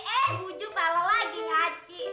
eh hujung salah lagi ngaci